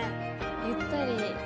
ゆったり。